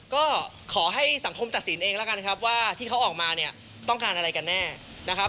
ก็ขอให้สังคมตัดสินเองแล้วกันครับว่าที่เขาออกมาเนี่ยต้องการอะไรกันแน่นะครับ